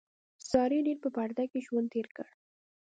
سارې ډېر په پرده کې ژوند تېر کړ.